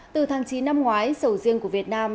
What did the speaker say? từ tháng chín năm ngoái sầu riêng của việt nam